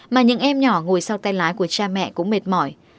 mà những em nhỏ ngồi sau tay lái của cha mẹ cũng mệt mỏi